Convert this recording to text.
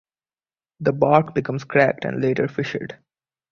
The bark becomes cracked and later fissured.